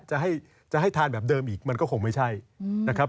จะให้ทานแบบเดิมอีกมันก็คงไม่ใช่นะครับ